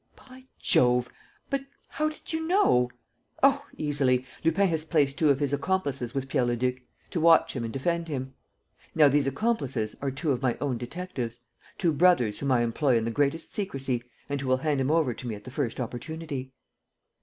"By Jove! But how did you know ..." "Oh, easily! Lupin has placed two of his accomplices with Pierre Leduc, to watch him and defend him. Now these accomplices are two of my own detectives, two brothers whom I employ in the greatest secrecy and who will hand him over to me at the first opportunity!"